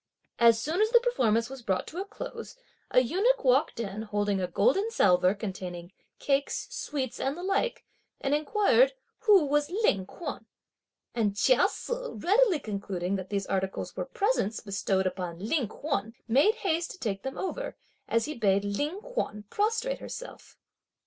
As soon as the performance was brought to a close, a eunuch walked in holding a golden salver containing cakes, sweets, and the like, and inquired who was Ling Kuan; and Chia Se readily concluding that these articles were presents bestowed upon Ling Kuan, made haste to take them over, as he bade Ling Kuan prostrate herself.